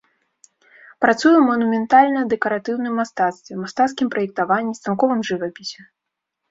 Працуе ў манументальна-дэкаратыўным мастацтве, мастацкім праектаванні, станковым жывапісе.